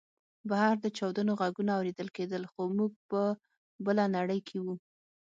بهر د چاودنو غږونه اورېدل کېدل خو موږ په بله نړۍ کې وو